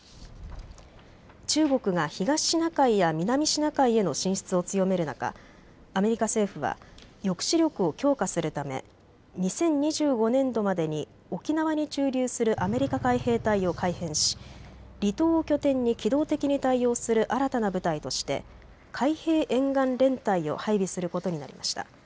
中国が東シナ海や南シナ海への進出を強める中、アメリカ政府は抑止力を強化するため２０２５年度までに沖縄に駐留するアメリカ海兵隊を改編し離島を拠点に機動的に対応する新たな部隊として海兵沿岸連隊を配備することになりました。